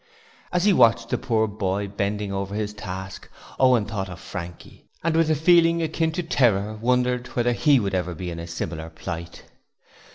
As he watched the poor boy bending over his task, Owen thought of Frankie, and with a feeling akin to terror wondered whether he would ever be in a similar plight.